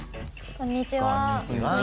こんにちは。